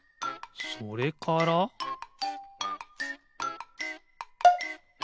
それからピッ！